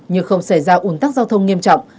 như không xảy ra ủn tắc giao thông nghiêm trọng